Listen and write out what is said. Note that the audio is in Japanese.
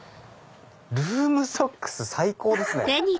ルームソックス最高ですね！